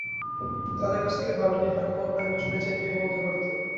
তাদের কাছ থেকেই বাল্যবিবাহের খবর পায় এবং ছুটে যায় বিয়ে বন্ধ করতে।